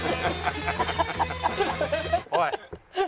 おい。